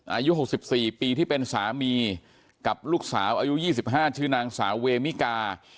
อายุ๖๔ปีที่เป็นสามีกับลูกสาวอายุ๒๕ชื่อนางสาวเวมิกา